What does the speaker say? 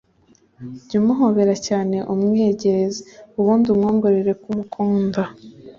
jya umuhobera cyane umwiyegereze, ubundi umwongorere ko umukunda.